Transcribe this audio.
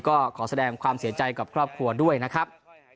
ก็ขอแสดงความเสียใจกับครอบครัวด้วยนะครับ